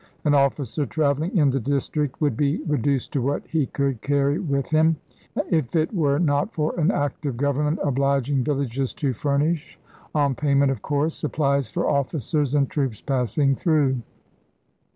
An officer travelling in the district would be reduced to what he could carry with him, if it were not for an Act of Government obliging villages to furnish on payment, of course supplies for officers and troops passing through.